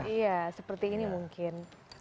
iya seperti ini mungkin